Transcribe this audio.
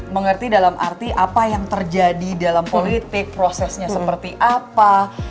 mengerti dalam arti apa yang terjadi dalam politik prosesnya seperti apa